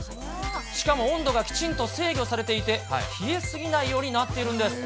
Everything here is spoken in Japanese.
しかも温度がきちんと制御されていて、冷えすぎないようになっているんです。